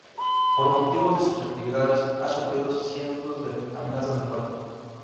Por motivo de sus actividades, ha sufrido cientos de amenazas de muerte.